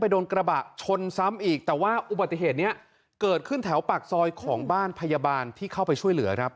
ไปโดนกระบะชนซ้ำอีกแต่ว่าอุปสรรย์เงี้ยเกิดขึ้นแถวปากซอยของบ้านพยาบาลที่เข้า